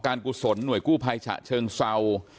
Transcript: กุศลหน่วยกู้ภัยฉะเชิงเศร้า